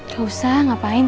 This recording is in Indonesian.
gak usah ngapain